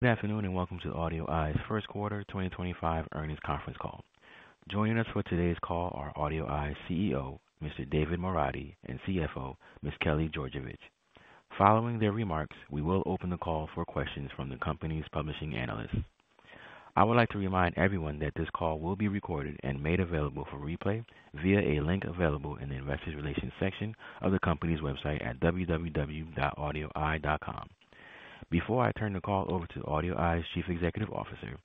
Good afternoon and welcome to AudioEye's First Quarter 2025 Earnings Conference Call. Joining us for today's call are AudioEye's CEO, Mr. David Moradi, and CFO, Ms. Kelly Georgevich. Following their remarks, we will open the call for questions from the company's publishing analysts. I would like to remind everyone that this call will be recorded and made available for replay via a link available in the investor relations section of the company's website at www.audioeye.com. Before I turn the call over to AudioEye's Chief Executive Officer,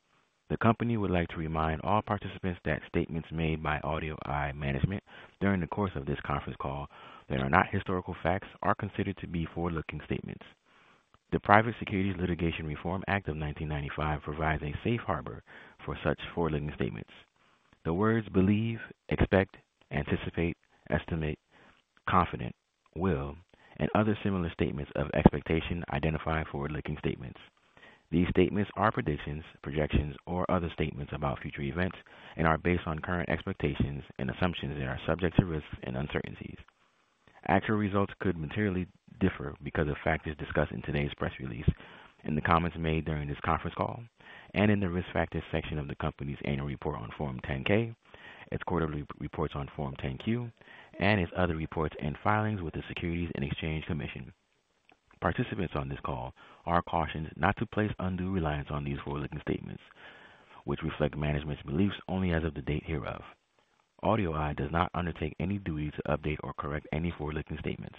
the company would like to remind all participants that statements made by AudioEye management during the course of this conference call that are not historical facts are considered to be forward-looking statements. The Private Securities Litigation Reform Act of 1995 provides a safe harbor for such forward-looking statements. The words believe, expect, anticipate, estimate, confident, will, and other similar statements of expectation identify forward-looking statements. These statements are predictions, projections, or other statements about future events and are based on current expectations and assumptions that are subject to risks and uncertainties. Actual results could materially differ because of factors discussed in today's press release, in the comments made during this conference call, and in the risk factors section of the company's annual report on Form 10-K, its quarterly reports on Form 10-Q, and its other reports and filings with the Securities and Exchange Commission. Participants on this call are cautioned not to place undue reliance on these forward-looking statements, which reflect management's beliefs only as of the date hereof. AudioEye does not undertake any duty to update or correct any forward-looking statements.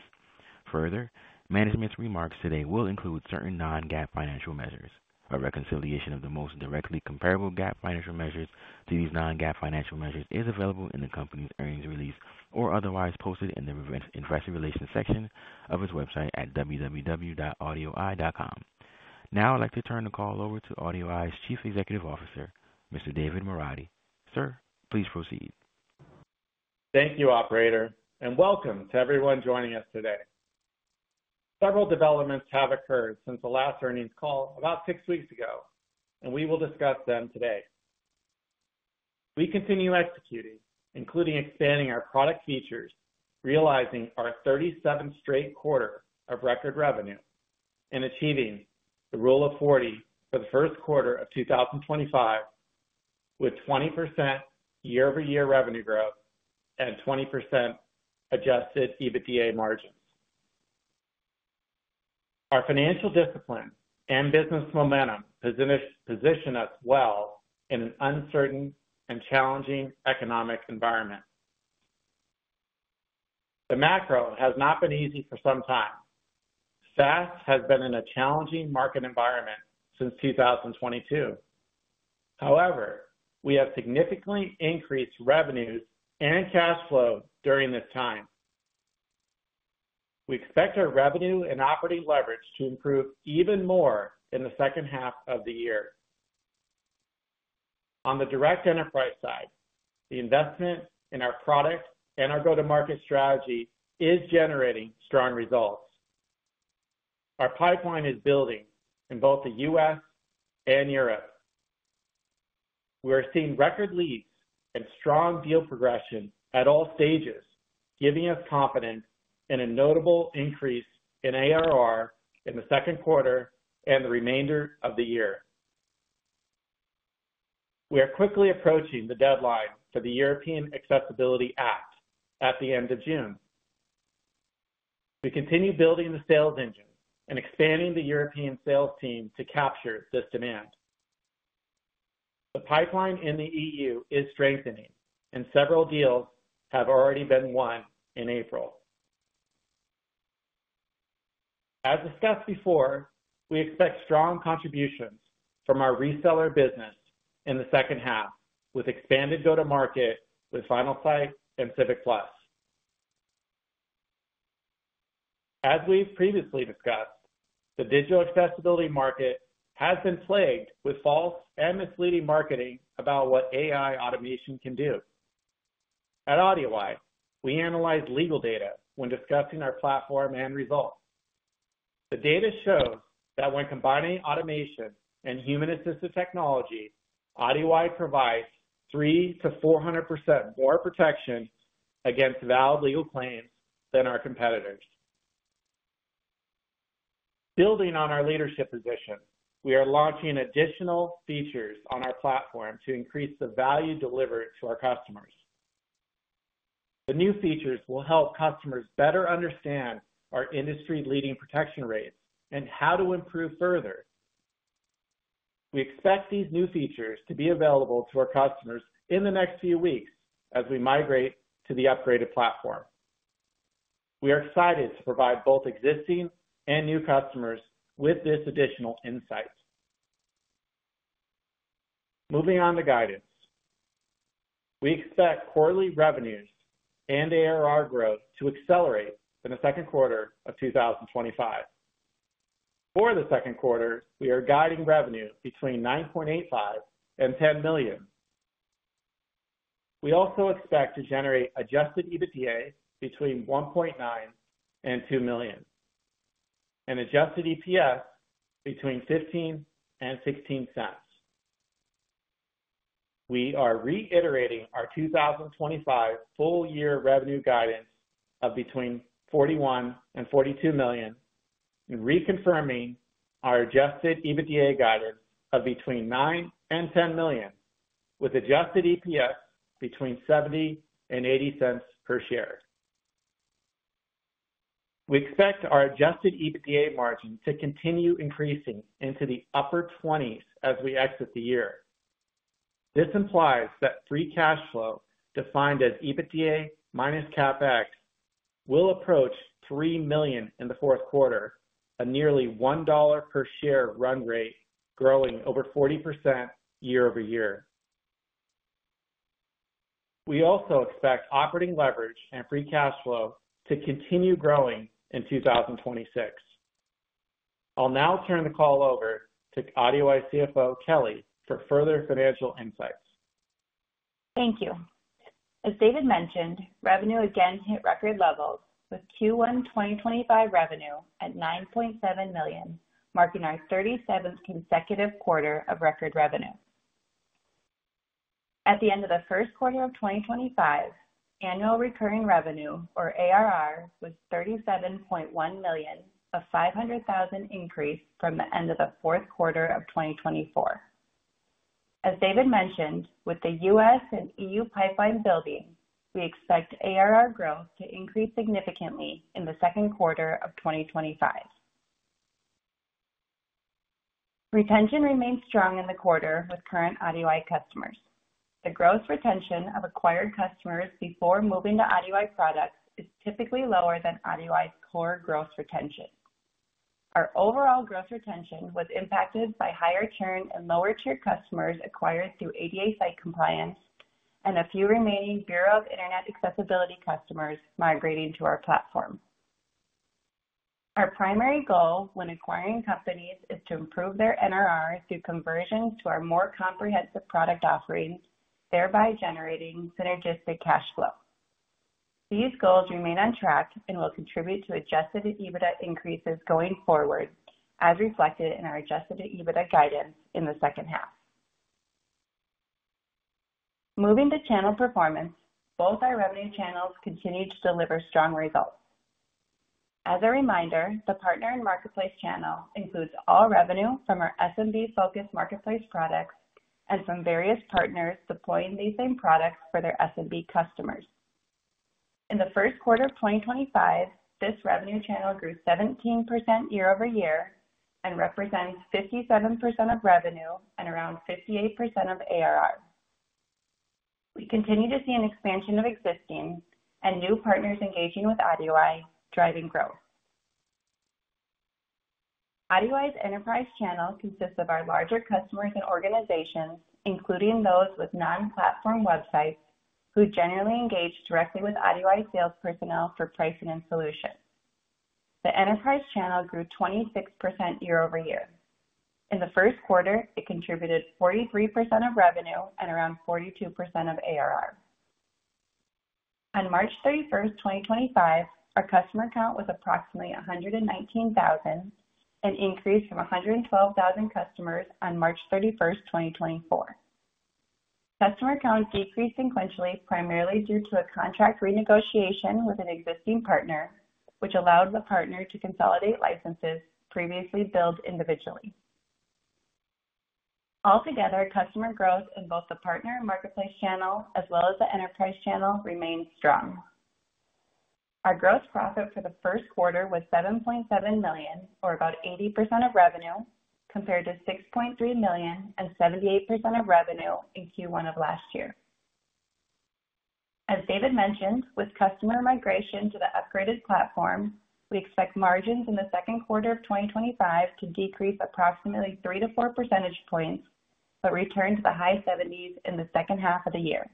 Further, management's remarks today will include certain non-GAAP financial measures. A reconciliation of the most directly comparable GAAP financial measures to these non-GAAP financial measures is available in the company's earnings release or otherwise posted in the investor relations section of its website at www.audioeye.com. Now I'd like to turn the call over to AudioEye's Chief Executive Officer, Mr. David Moradi. Sir, please proceed. Thank you, Operator, and welcome to everyone joining us today. Several developments have occurred since the last earnings call about six weeks ago, and we will discuss them today. We continue executing, including expanding our product features, realizing our 37th straight quarter of record revenue, and achieving the rule of 40 for the first quarter of 2025 with 20% year-over-year revenue growth and 20% adjusted EBITDA margins. Our financial discipline and business momentum position us well in an uncertain and challenging economic environment. The macro has not been easy for some time. SaaS has been in a challenging market environment since 2022. However, we have significantly increased revenues and cash flow during this time. We expect our revenue and operating leverage to improve even more in the second half of the year. On the direct enterprise side, the investment in our product and our go-to-market strategy is generating strong results. Our pipeline is building in both the U.S. and Europe. We are seeing record leads and strong deal progression at all stages, giving us confidence in a notable increase in ARR in the second quarter and the remainder of the year. We are quickly approaching the deadline for the European Accessibility Act at the end of June. We continue building the sales engine and expanding the European sales team to capture this demand. The pipeline in the EU is strengthening, and several deals have already been won in April. As discussed before, we expect strong contributions from our reseller business in the second half with expanded go-to-market with Finalsite and CivicPlus. As we've previously discussed, the digital accessibility market has been plagued with false and misleading marketing about what AI automation can do. At AudioEye, we analyze legal data when discussing our platform and results. The data shows that when combining automation and human-assisted technology, AudioEye provides 300%-400% more protection against valid legal claims than our competitors. Building on our leadership position, we are launching additional features on our platform to increase the value delivered to our customers. The new features will help customers better understand our industry-leading protection rates and how to improve further. We expect these new features to be available to our customers in the next few weeks as we migrate to the upgraded platform. We are excited to provide both existing and new customers with this additional insight. Moving on to guidance, we expect quarterly revenues and ARR growth to accelerate in the second quarter of 2025. For the second quarter, we are guiding revenue between $9.85 million and $10 million. We also expect to generate adjusted EBITDA between $1.9 million and $2 million and adjusted EPS between $0.15 and $0.16. We are reiterating our 2025 full-year revenue guidance of between $41 million and $42 million and reconfirming our adjusted EBITDA guidance of between $9 million and $10 million with adjusted EPS between $0.70 and $0.80 per share. We expect our adjusted EBITDA margin to continue increasing into the upper 20s as we exit the year. This implies that free cash flow defined as EBITDA minus CapEx will approach $3 million in the fourth quarter, a nearly $1 per share run rate growing over 40% year-over-year. We also expect operating leverage and free cash flow to continue growing in 2026. I'll now turn the call over to AudioEye CFO, Kelly, for further financial insights. Thank you. As David mentioned, revenue again hit record levels with Q1 2025 revenue at $9.7 million, marking our 37th consecutive quarter of record revenue. At the end of the first quarter of 2025, annual recurring revenue, or ARR, was $37.1 million, a $500,000 increase from the end of the fourth quarter of 2024. As David mentioned, with the U.S. and EU pipeline building, we expect ARR growth to increase significantly in the second quarter of 2025. Retention remained strong in the quarter with current AudioEye customers. The gross retention of acquired customers before moving to AudioEye products is typically lower than AudioEye's core gross retention. Our overall gross retention was impacted by higher churn and lower tier customers acquired through ADA Site Compliance and a few remaining Bureau of Internet Accessibility customers migrating to our platform. Our primary goal when acquiring companies is to improve their NRR through conversions to our more comprehensive product offerings, thereby generating synergistic cash flow. These goals remain on track and will contribute to adjusted EBITDA increases going forward, as reflected in our adjusted EBITDA guidance in the second half. Moving to channel performance, both our revenue channels continue to deliver strong results. As a reminder, the partner and marketplace channel includes all revenue from our SMB-focused marketplace products and from various partners deploying these same products for their SMB customers. In the first quarter of 2025, this revenue channel grew 17% year-over-year and represents 57% of revenue and around 58% of ARR. We continue to see an expansion of existing and new partners engaging with AudioEye, driving growth. AudioEye's enterprise channel consists of our larger customers and organizations, including those with non-platform websites, who generally engage directly with AudioEye sales personnel for pricing and solutions. The enterprise channel grew 26% year-over-year. In the first quarter, it contributed 43% of revenue and around 42% of ARR. On March 31st, 2025, our customer count was approximately 119,000, an increase from 112,000 customers on March 31st, 2024. Customer count decreased sequentially primarily due to a contract renegotiation with an existing partner, which allowed the partner to consolidate licenses previously billed individually. Altogether, customer growth in both the partner and marketplace channel, as well as the enterprise channel, remained strong. Our gross profit for the first quarter was $7.7 million, or about 80% of revenue, compared to $6.3 million and 78% of revenue in Q1 of last year. As David mentioned, with customer migration to the upgraded platform, we expect margins in the second quarter of 2025 to decrease approximately three to four percentage points but return to the high 70s in the second half of the year.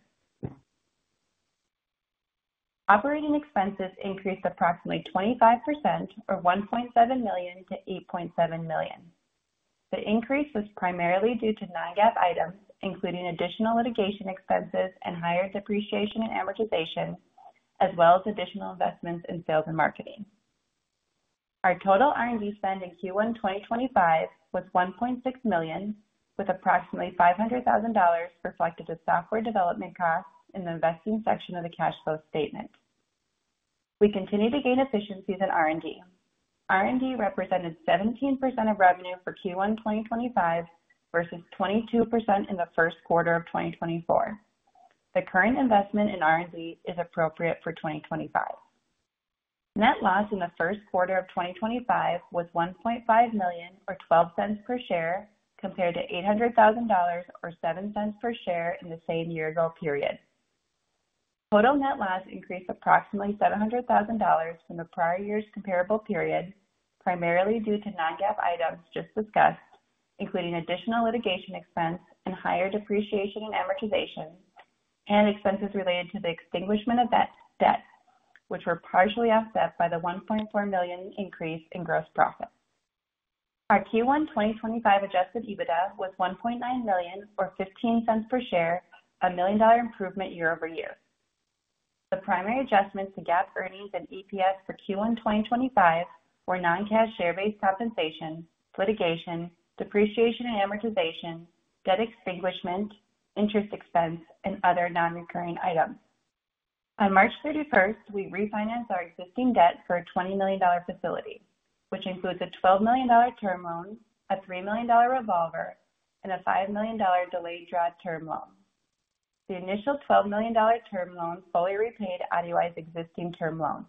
Operating expenses increased approximately 25%, or $1.7 million-$8.7 million. The increase was primarily due to non-GAAP items, including additional litigation expenses and higher depreciation and amortization, as well as additional investments in sales and marketing. Our total R&D spend in Q1 2025 was $1.6 million, with approximately $500,000 reflected as software development costs in the investing section of the cash flow statement. We continue to gain efficiencies in R&D. R&D represented 17% of revenue for Q1 2025 versus 22% in the first quarter of 2024. The current investment in R&D is appropriate for 2025. Net loss in the first quarter of 2025 was $1.5 million, or $0.12 per share, compared to $800,000 or $0.07 per share in the same year-ago period. Total net loss increased approximately $700,000 from the prior year's comparable period, primarily due to non-GAAP items just discussed, including additional litigation expense and higher depreciation and amortization, and expenses related to the extinguishment of debt, which were partially offset by the $1.4 million increase in gross profit. Our Q1 2025 adjusted EBITDA was $1.9 million, or $0.15 per share, a $1 million improvement year-over-year. The primary adjustments to GAAP earnings and EPS for Q1 2025 were non-cash share-based compensation, litigation, depreciation and amortization, debt extinguishment, interest expense, and other non-recurring items. On March 31st, we refinanced our existing debt for a $20 million facility, which includes a $12 million term loan, a $3 million revolver, and a $5 million delayed draw term loan. The initial $12 million term loan fully repaid AudioEye's existing term loan.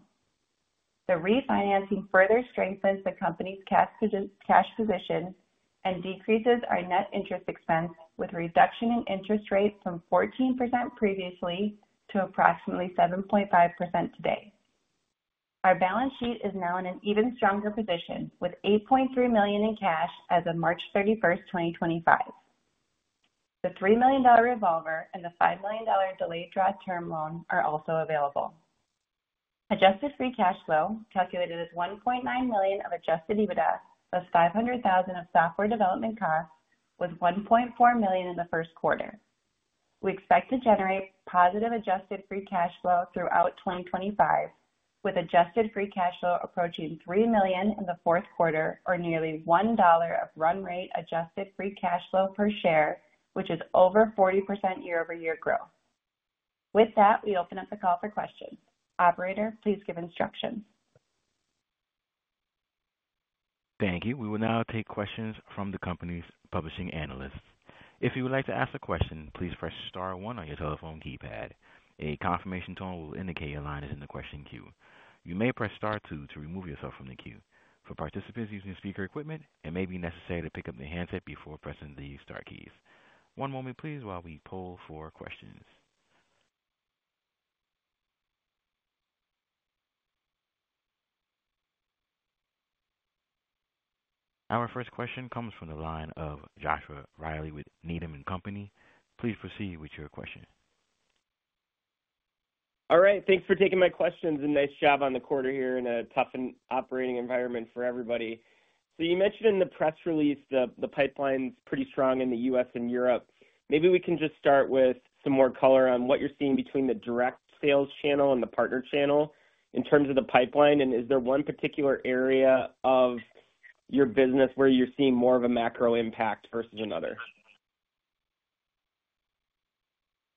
The refinancing further strengthens the company's cash position and decreases our net interest expense with a reduction in interest rate from 14% previously to approximately 7.5% today. Our balance sheet is now in an even stronger position, with $8.3 million in cash as of March 31, 2025. The $3 million revolver and the $5 million delayed draw term loan are also available. Adjusted free cash flow, calculated as $1.9 million of adjusted EBITDA, plus $500,000 of software development costs, was $1.4 million in the first quarter. We expect to generate positive adjusted free cash flow throughout 2025, with adjusted free cash flow approaching $3 million in the fourth quarter, or nearly $1 of run rate adjusted free cash flow per share, which is over 40% year-over-year growth. With that, we open up the call for questions. Operator, please give instructions. Thank you. We will now take questions from the company's publishing analysts. If you would like to ask a question, please press star oneon your telephone keypad. A confirmation tone will indicate your line is in the question queue. You may press star two to remove yourself from the queue. For participants using speaker equipment, it may be necessary to pick up the handset before pressing the star keys. One moment, please, while we poll for questions. Our first question comes from the line of Joshua Reilley with Needham & Company. Please proceed with your question. All right. Thanks for taking my questions. Nice job on the quarter here in a tough operating environment for everybody. You mentioned in the press release the pipeline's pretty strong in the U.S. and Europe. Maybe we can just start with some more color on what you're seeing between the direct sales channel and the partner channel in terms of the pipeline. Is there one particular area of your business where you're seeing more of a macro impact versus another?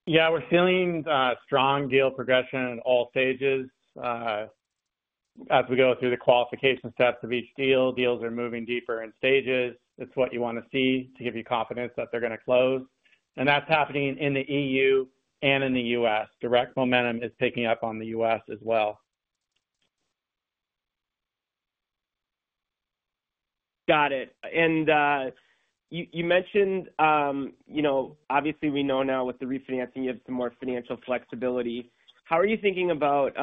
Yeah. We're seeing strong deal progression in all stages. As we go through the qualification steps of each deal, deals are moving deeper in stages. It's what you want to see to give you confidence that they're going to close. That's happening in the EU and in the U.S. Direct momentum is picking up on the U.S. as well. Got it. You mentioned, obviously, we know now with the refinancing, you have some more financial flexibility. How are you thinking about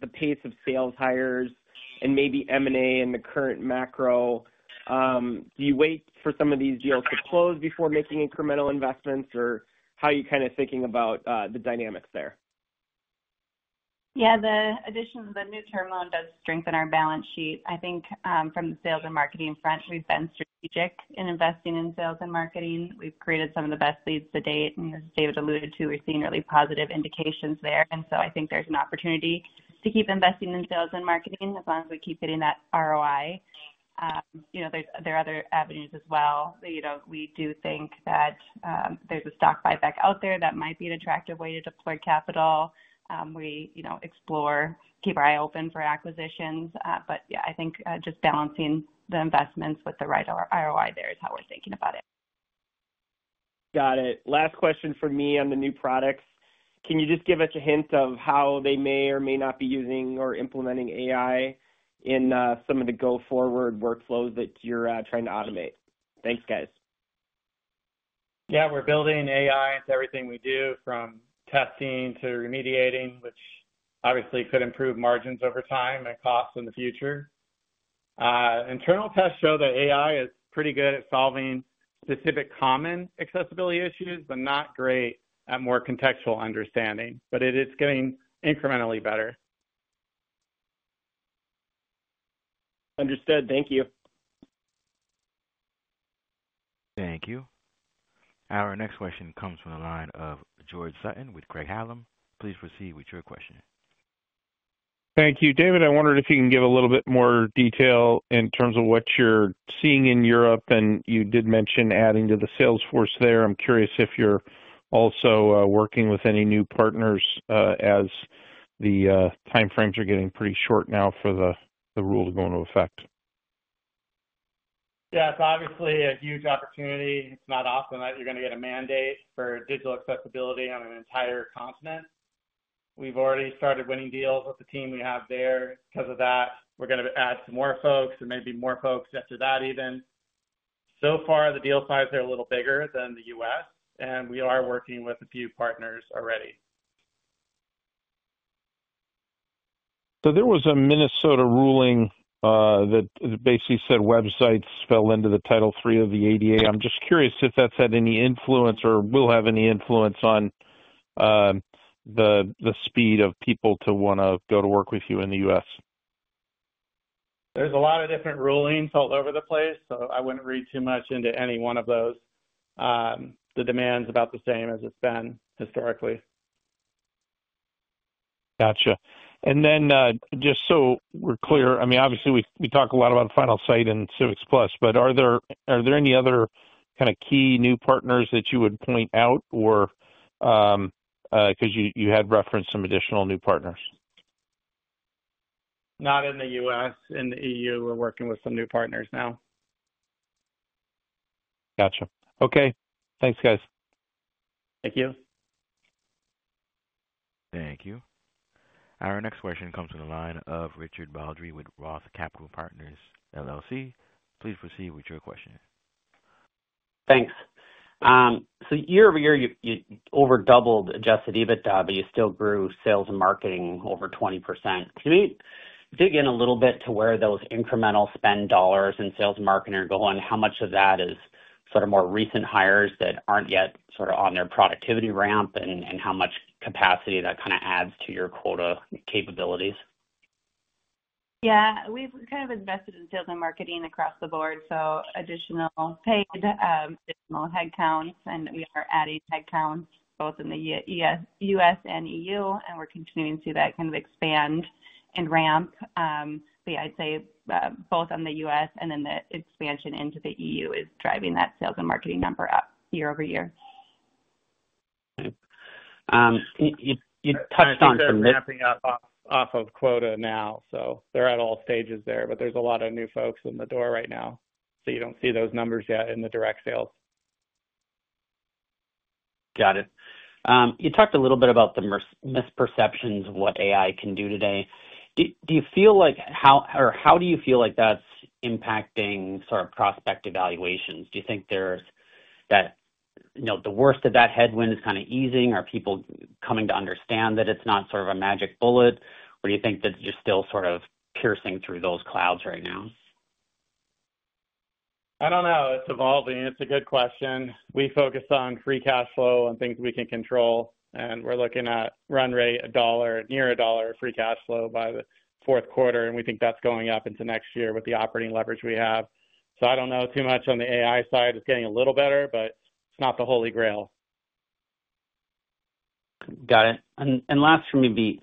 the pace of sales hires and maybe M&A and the current macro? Do you wait for some of these deals to close before making incremental investments, or how are you kind of thinking about the dynamics there? Yeah. The addition of the new term loan does strengthen our balance sheet. I think from the sales and marketing front, we've been strategic in investing in sales and marketing. We've created some of the best leads to date. As David alluded to, we're seeing really positive indications there. I think there's an opportunity to keep investing in sales and marketing as long as we keep hitting that ROI. There are other avenues as well. We do think that there's a stock buyback out there that might be an attractive way to deploy capital. We explore, keep our eye open for acquisitions. Yeah, I think just balancing the investments with the right ROI there is how we're thinking about it. Got it. Last question for me on the new products. Can you just give us a hint of how they may or may not be using or implementing AI in some of the go-forward workflows that you're trying to automate? Thanks, guys. Yeah. We're building AI into everything we do, from testing to remediating, which obviously could improve margins over time and costs in the future. Internal tests show that AI is pretty good at solving specific common accessibility issues, but not great at more contextual understanding. It is getting incrementally better. Understood. Thank you. Thank you. Our next question comes from the line of George Sutton with Craig-Hallum. Please proceed with your question. Thank you. David, I wondered if you can give a little bit more detail in terms of what you're seeing in Europe. You did mention adding to the sales force there. I'm curious if you're also working with any new partners as the timeframes are getting pretty short now for the rule to go into effect. Yeah. It's obviously a huge opportunity. It's not often that you're going to get a mandate for digital accessibility on an entire continent. We've already started winning deals with the team we have there. Because of that, we're going to add some more folks and maybe more folks after that, even. So far, the deal size is a little bigger than the U.S. and we are working with a few partners already. There was a Minnesota ruling that basically said websites fell into the Title III of the ADA. I'm just curious if that's had any influence or will have any influence on the speed of people to want to go to work with you in the U.S. There's a lot of different rulings all over the place, so I wouldn't read too much into any one of those. The demand's about the same as it's been historically. Gotcha. And then just so we're clear, I mean, obviously, we talk a lot about Finalsite and CivicPlus, but are there any other kind of key new partners that you would point out because you had referenced some additional new partners? Not in the U.S. In the EU, we're working with some new partners now. Gotcha. Okay. Thanks, guys. Thank you. Thank you. Our next question comes from the line of Richard Baldry with Roth Capital LLC. Please proceed with your question. Thanks. Year-over-year, you overdoubled adjusted EBITDA, but you still grew sales and marketing over 20%. Can you dig in a little bit to where those incremental spend dollars in sales and marketing are going? How much of that is sort of more recent hires that aren't yet sort of on their productivity ramp, and how much capacity that kind of adds to your quota capabilities? Yeah. We've kind of invested in sales and marketing across the board, so additional paid, additional headcounts. We are adding headcounts both in the U.S. and EU. We are continuing to see that kind of expand and ramp. Yeah, I'd say both on the U.S. and then the expansion into the EU is driving that sales and marketing number up year-over-year. Okay. You touched on some. We're ramping up off of quota now, so they're at all stages there. There are a lot of new folks in the door right now, so you don't see those numbers yet in the direct sales. Got it. You talked a little bit about the misperceptions of what AI can do today. Do you feel like or how do you feel like that's impacting sort of prospect evaluations? Do you think that the worst of that headwind is kind of easing? Are people coming to understand that it's not sort of a magic bullet? Or do you think that you're still sort of piercing through those clouds right now? I don't know. It's evolving. It's a good question. We focus on free cash flow and things we can control. We're looking at run rate a dollar, near a dollar free cash flow by the fourth quarter. We think that's going up into next year with the operating leverage we have. I don't know too much on the AI side. It's getting a little better, but it's not the holy grail. Got it. Last for me would be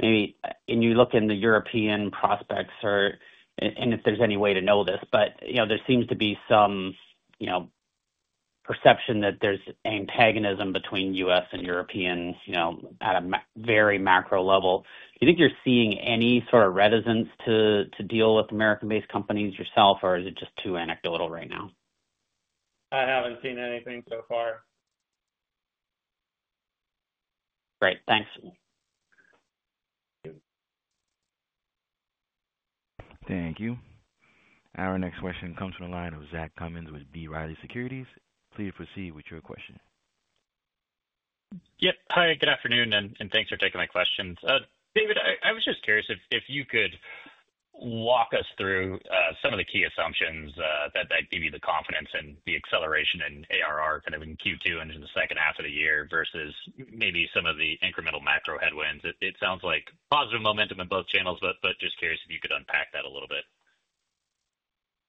maybe you look in the European prospects and if there's any way to know this, but there seems to be some perception that there's antagonism between U.S. and European at a very macro level. Do you think you're seeing any sort of reticence to deal with American-based companies yourself, or is it just too anecdotal right now? I haven't seen anything so far. Great. Thanks. Thank you. Our next question comes from the line of Zach Cummins with B. Riley Securities. Please proceed with your question. Yep. Hi, good afternoon, and thanks for taking my questions. David, I was just curious if you could walk us through some of the key assumptions that give you the confidence and the acceleration in ARR kind of in Q2 and in the second half of the year versus maybe some of the incremental macro headwinds. It sounds like positive momentum in both channels, but just curious if you could unpack that a little bit.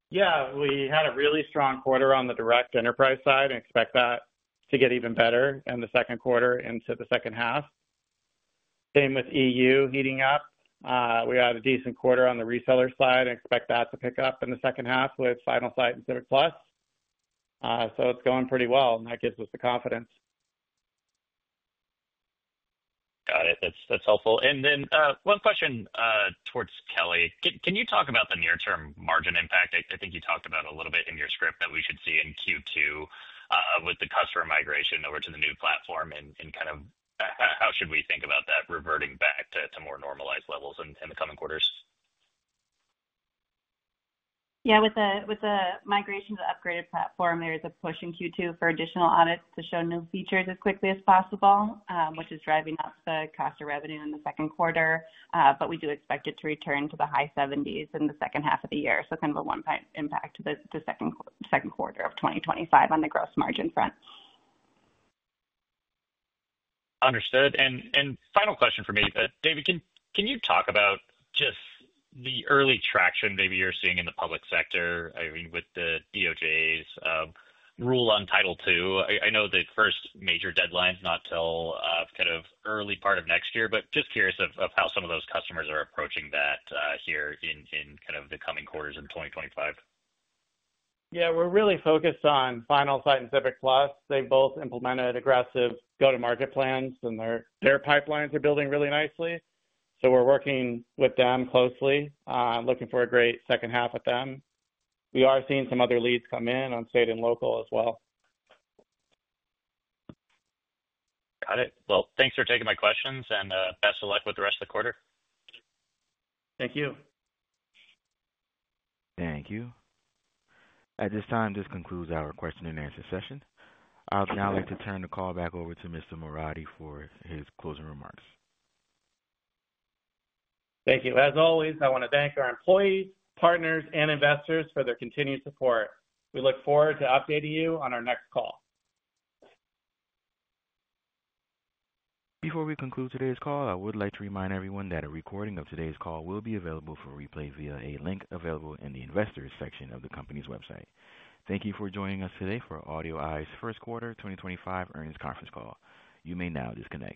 Yeah. We had a really strong quarter on the direct enterprise side and expect that to get even better in the second quarter into the second half. Same with EU heating up. We had a decent quarter on the reseller side and expect that to pick up in the second half with Finalsite and CivicPlus. It is going pretty well, and that gives us the confidence. Got it. That's helpful. One question towards Kelly. Can you talk about the near-term margin impact? I think you talked about it a little bit in your script that we should see in Q2 with the customer migration over to the new platform and kind of how should we think about that reverting back to more normalized levels in the coming quarters? Yeah. With the migration to the upgraded platform, there is a push in Q2 for additional audits to show new features as quickly as possible, which is driving up the cost of revenue in the second quarter. We do expect it to return to the high 70% in the second half of the year. Kind of a one-time impact to the second quarter of 2025 on the gross margin front. Understood. Final question for me. David, can you talk about just the early traction maybe you're seeing in the public sector, I mean, with the DOJ's rule on Title II? I know the first major deadline is not till kind of early part of next year, but just curious of how some of those customers are approaching that here in kind of the coming quarters in 2025. Yeah. We're really focused on Finalsite and CivicPlus. They both implemented aggressive go-to-market plans, and their pipelines are building really nicely. We are working with them closely, looking for a great second half with them. We are seeing some other leads come in on state and local as well. Got it. Thanks for taking my questions, and best of luck with the rest of the quarter. Thank you. Thank you. At this time, this concludes our question and answer session. I would now like to turn the call back over to Mr. Moradi for his closing remarks. Thank you. As always, I want to thank our employees, partners, and investors for their continued support. We look forward to updating you on our next call. Before we conclude today's call, I would like to remind everyone that a recording of today's call will be available for replay via a link available in the investors' section of the company's website. Thank you for joining us today for AudioEye's First Quarter 2025 Earnings Conference Call. You may now disconnect.